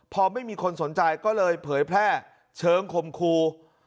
พอไม่มีคนสนใจก็เลยเผยแพร่เชิงคมครู